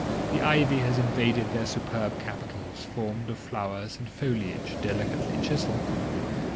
The ivy has invaded their superb capitals, formed of flowers and foliage delicately chiselled.